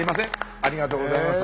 ありがとうございます。